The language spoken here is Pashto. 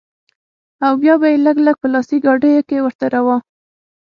او بيا به يې لږ لږ په لاسي ګاډيو کښې ورتېراوه.